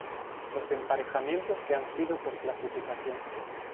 Los emparejamientos que han sido por clasificación.